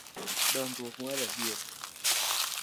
Dongruok mar adieri